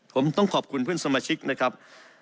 ผมต้องขอบคุณเพื่อนสมาชิกนะครับ